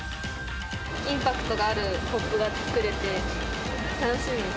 インパクトがあるポップが作れて、楽しみです。